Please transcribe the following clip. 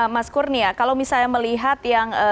mas kurnia kalau misalnya melihat yang